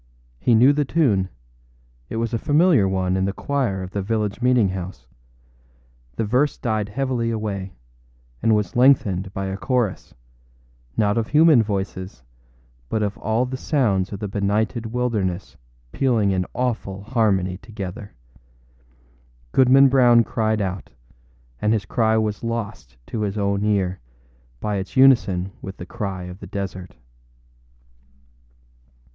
He knew the tune; it was a familiar one in the choir of the village meeting house. The verse died heavily away, and was lengthened by a chorus, not of human voices, but of all the sounds of the benighted wilderness pealing in awful harmony together. Goodman Brown cried out, and his cry was lost to his own ear by its unison with the cry of the desert.